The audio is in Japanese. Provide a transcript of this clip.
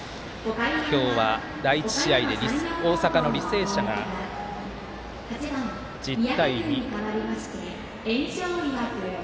今日は、第１試合で大阪の履正社が１０対２。